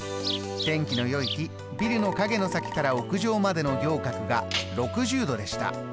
天気のよい日ビルの影の先から屋上までの仰角が６０度でした。